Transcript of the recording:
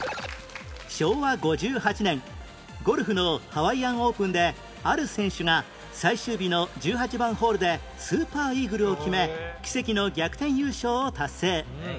昭和５８年ゴルフのハワイアンオープンである選手が最終日の１８番ホールでスーパーイーグルを決め奇跡の逆転優勝を達成